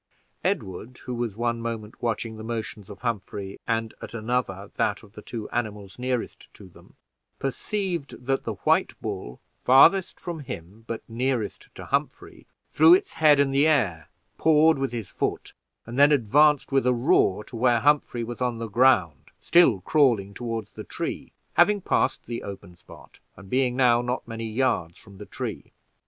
Edward, who was one moment watching the motions of Humphrey, and at another that of the two animals nearest to them, perceived that the white bull farthest from him, but nearest to Humphrey, threw its head in the air, pawed with his foot, and then advanced with a roar to where Humphrey was on the ground, still crawling toward the tree, having passed the open spot, and being now not many yards from the tree.